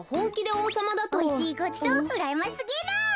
おいしいごちそううらやましすぎる。